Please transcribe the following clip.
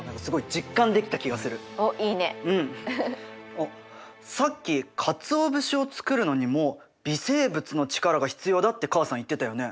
あっさっきかつお節を作るのにも微生物の力が必要だって母さん言ってたよね？